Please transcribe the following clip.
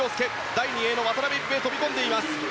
第２泳の渡辺一平が飛び込んでいます。